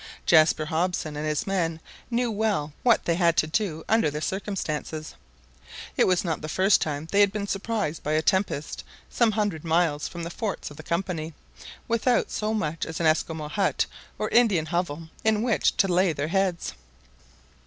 Jaspar Hobson and his men knew well what they had to do under the circumstances. It was not the first time they had been surprised by a tempest some hundred miles from the forts of the Company, without so much as an Esquimaux hut or Indian hovel in which to lay their heads.